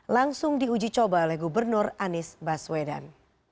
langsung diuji coba oleh gubernur anies baswedan